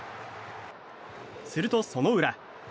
すると、その裏。